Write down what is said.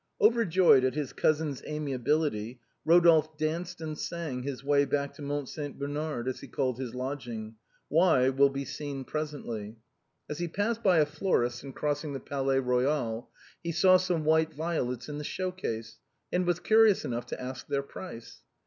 Overjoyed at his cousin's amiability, Rodolphe danced and sang his way back to Mount St. Bernard, as he called his lodging — why will be seen presently. As he passed by a florist's in crossing the Palais Eoyal, he saw some white violets in the show case, and was curious enough to ask their price.